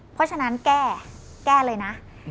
เพราะฉะนั้นแก้แก้เลยนะ